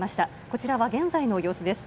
こちらは現在の様子です。